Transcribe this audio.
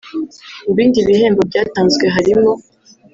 Mu bindi bihembo byatanzwe harimo